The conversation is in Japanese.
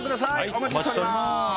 お待ちしております！